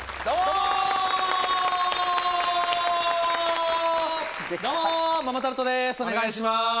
お願いします